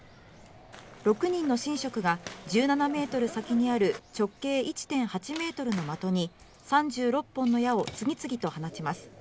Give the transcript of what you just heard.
６人の神職が１７ｍ先にある直径１．８ｍの的に３６本の矢を次々と放ちます。